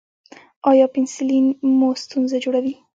ایا پنسلین مو ستونزه جوړوي؟